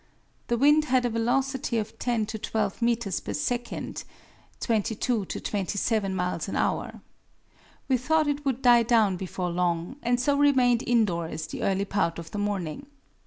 The wind had a velocity of 10 to 12 meters per second (22 to 27 miles an hour). We thought it would die down before long, and so remained indoors the early part of the morning.